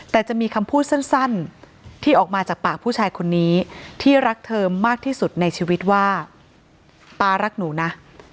แต่จะมีคำพูดสั้นที่ออกมาจากปากผู้ชายคนนี้ที่รักเธอมากที่สุดในชีวิตว่าป๊ารักหนูนะ